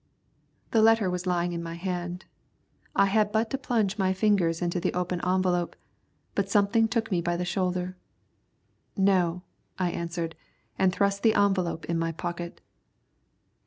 The letter was lying in my hand. I had but to plunge my fingers into the open envelope, but something took me by the shoulder. "No," I answered, and thrust the envelope in my pocket.